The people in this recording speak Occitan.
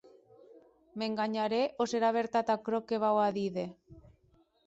M’enganharè o serà vertat aquerò que vau a díder?